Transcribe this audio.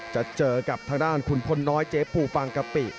จะเจอกับทางด้านคุณพลน้อยเจ๊ปูฟางกะปิ